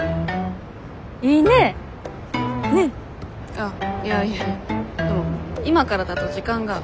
あっいやいやでも今からだと時間が。